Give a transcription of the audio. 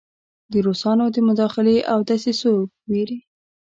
د روسانو د مداخلې او دسیسو ویرې.